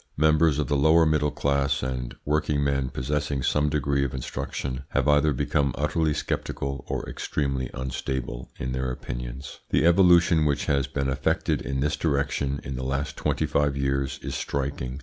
Members of the lower middle class, and working men possessing some degree of instruction, have either become utterly sceptical or extremely unstable in their opinions. The evolution which has been effected in this direction in the last twenty five years is striking.